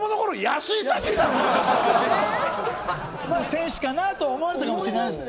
「選手かな？」と思われたかもしれないです。